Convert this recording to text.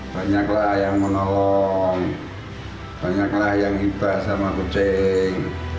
banyaklah yang menolong banyaklah yang hibah sama kucing